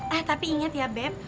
ah tapi inget ya beb